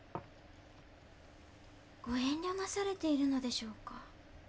ご遠慮なされているのでしょうか。